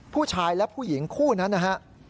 ผู้ชายและผู้หญิงคู่นั้นนะฮะ